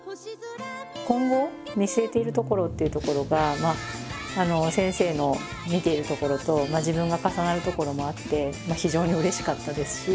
今後見据えているところっていうところが先生の見ているところと自分が重なるところもあって非常にうれしかったですし。